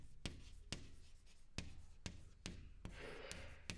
Působil jako sólista Pražského komorního orchestru a České filharmonie.